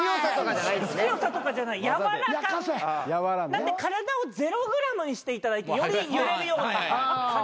なんで体を０ｇにしていただいてより揺れるよう。